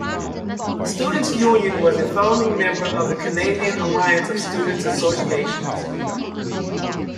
The Students' Union was a founding member of the Canadian Alliance of Students Associations.